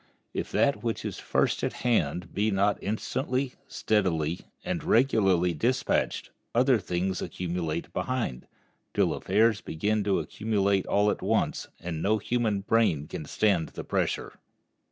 If that which is first at hand be not instantly, steadily, and regularly dispatched other things accumulate behind, till affairs begin to accumulate all at once, and no human brain can stand the pressure.